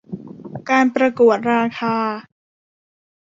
การประกวดราคา